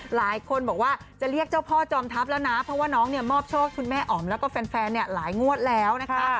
หลายคนบอกว่าจะเรียกเจ้าพ่อจอมทัพแล้วนะเพราะว่าน้องเนี่ยมอบโชคคุณแม่อ๋อมแล้วก็แฟนหลายงวดแล้วนะคะ